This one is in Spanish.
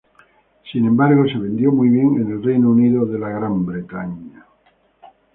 Sin embargo, se vendió muy bien en el Reino Unido.